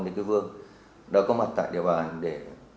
đồng chí thủ vương đã có mặt tại địa bàn để